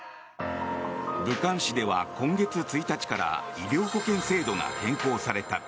武漢市では今月１日から医療保険制度が変更された。